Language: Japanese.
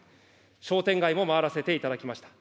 商店街も回らせていただきました。